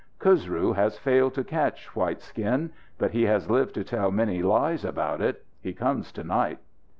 "Khusru has failed to catch White Skin, but he has lived to tell many lies about it. He comes to night."